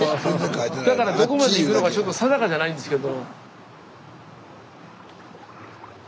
だからどこまで行くのかちょっと定かじゃないんですけど。